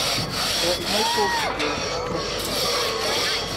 There is no talking during sesshin.